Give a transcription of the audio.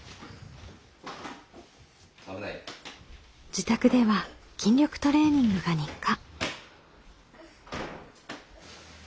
自宅では筋力トレーニングが日課。